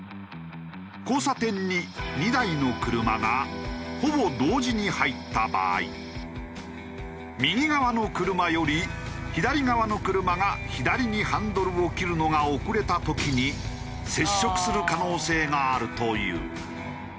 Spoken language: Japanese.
交差点に２台の車がほぼ同時に入った場合右側の車より左側の車が左にハンドルを切るのが遅れた時に接触する可能性があるという。